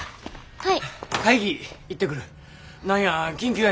はい。